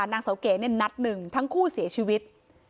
นางเสาเก๋นัดหนึ่งทั้งคู่เสียชีวิต